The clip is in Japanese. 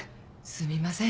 すみません